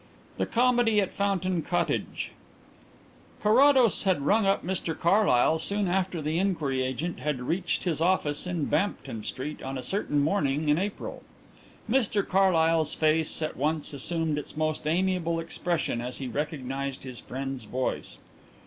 THE COMEDY AT FOUNTAIN COTTAGE Carrados had rung up Mr Carlyle soon after the inquiry agent had reached his office in Bampton Street on a certain morning in April. Mr Carlyle's face at once assumed its most amiable expression as he recognized his friend's voice.